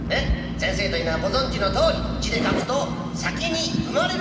先生というのはご存じのとおり字で書くと「先に生まれる」と書きます。